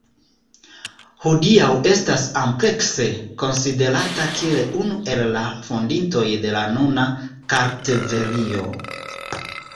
Hodiaŭ estas amplekse konsiderata kiel unu el la fondintoj de la nuna Kartvelio.